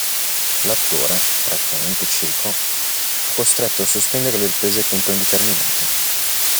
L'attore, praticamente cieco, fu costretto a sospendere la riprese a tempo indeterminato.